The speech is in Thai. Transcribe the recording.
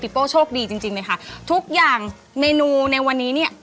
โป้โชคดีจริงจริงเลยค่ะทุกอย่างเมนูในวันนี้เนี่ย